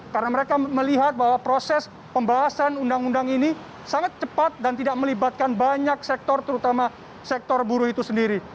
karena mereka melihat bahwa proses pembahasan undang undang ini sangat cepat dan tidak melibatkan banyak sektor terutama sektor buruh itu sendiri